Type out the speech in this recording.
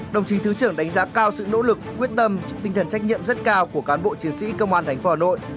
đồng chí thứ trưởng đánh giá cao sự nỗ lực quyết tâm tinh thần trách nhiệm rất cao của cán bộ chiến sĩ công an tp hà nội